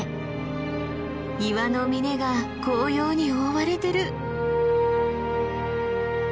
岩の峰が紅葉に覆われてる。